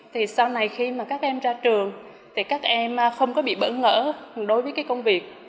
thì sau này khi mà các em ra trường thì các em không có bị bỡ ngỡ đối với cái công việc